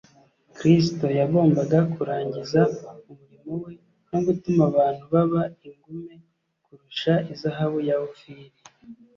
Kristo "Yagombaga kurangiza umurimo we no gutuma abantu baba ingume kurusha izahabu ya Ofiri.'"